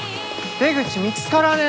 出口見つからねえ。